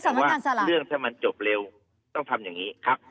แต่ว่าเรื่องถ้ามันจบเร็วต้องทำอย่างนี้ครับ